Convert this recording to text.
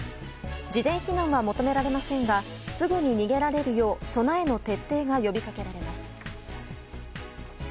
事前避難は求められませんがすぐに逃げられるよう備えの徹底が呼びかけられます。